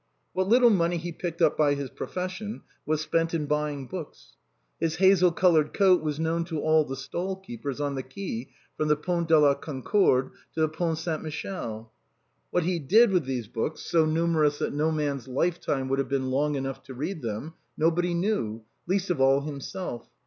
What little money he picked up by this profession was spent in buying books. His hazel colored coat was known to all the stall keepers on the quay from the Pont de la Concorde to the Pont Saint Michel. What he did with these books, so numerous that no man's lifetime would have been long enough to read them, nobody knew ; least of all, : himself.